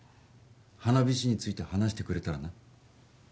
花火師について話してくれたらな